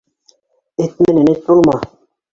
Эт менән эт булма.